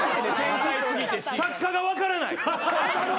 作家が分からない。